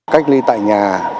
cách ly tại nhà